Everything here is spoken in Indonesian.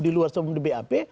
di luar sombong di bap